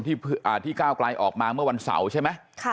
ที่ก้าวไกลออกมาเมื่อวันเสาร์ใช่ไหม